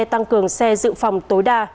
tăng cường xe dự phòng tối đa